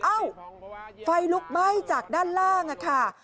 เอ้าไฟลุกไหม้จากด้านล่างค่ะ